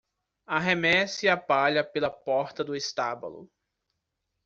Arremesse a palha pela porta do estábulo.